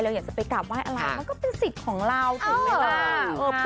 อยากจะไปกราบไหว้อะไรมันก็เป็นสิทธิ์ของเราถูกไหมล่ะ